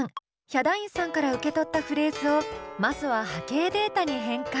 ヒャダインさんから受け取ったフレーズをまずは波形データに変換。